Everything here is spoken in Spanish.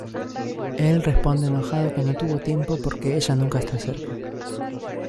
Él responde enojado que no tuvo tiempo porque ella nunca está cerca.